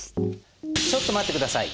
ちょっと待って下さい。